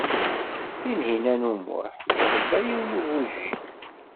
Tinhinan u Muḥ tṛebba yiwen n ugujil.